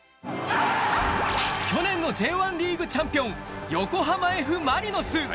去年のＪ１リーグチャンピオン、横浜Ｆ・マリノス。